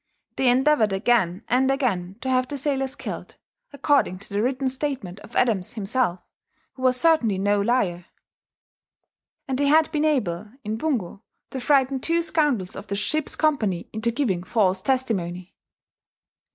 They endeavoured again and again to have the sailors killed, according to the written statement of Adams himself, who was certainly no liar; and they had been able in Bungo to frighten two scoundrels of the ship's company into giving false testimony.